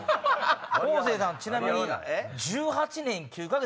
方正さんちなみに。